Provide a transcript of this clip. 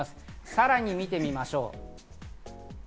さらに見てみましょう。